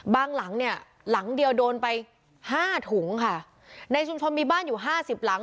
หลังเนี่ยหลังเดียวโดนไปห้าถุงค่ะในชุมชนมีบ้านอยู่ห้าสิบหลัง